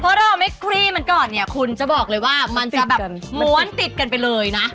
เพราะเราไม่คลี่มันก่อนเนี่ยคุณจะบอกเลยว่ามันจะแบบม้วนติดกันไปเลยนะ